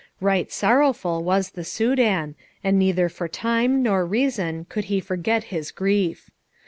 Right sorrowful was the Soudan, and neither for time nor reason could he forget his grief.